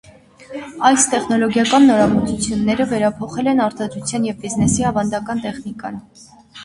Այս տեխնոլոգիական նորամուծությունները վերափոխել են արտադրության և բիզնեսի ավանդական տեխնիկան։